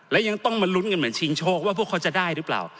และยังต้องมาลุ้นกันเหมือนชิงโชคว่าพวกเขาจะได้หรือเปล่า